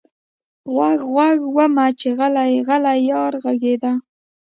غوږ، غوږ ومه چې غلـــــــی، غلـــی یار غږېده